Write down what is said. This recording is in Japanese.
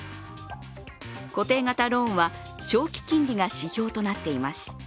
固定型ローンは長期金利が指標となっています。